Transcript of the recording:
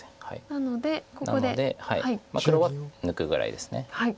なので黒は抜くぐらいです。